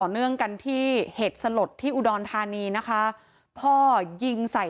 เนื่องกันที่เหตุสลดที่อุดรธานีนะคะพ่อยิงใส่